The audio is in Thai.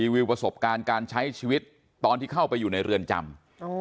วิวประสบการณ์การใช้ชีวิตตอนที่เข้าไปอยู่ในเรือนจำ